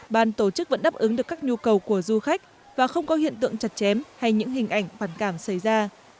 ban tổ chức vẫn đáp ứng được các nhu cầu của du khách và không có hiện tượng chặt chém hay những hình ảnh phản cảm xảy ra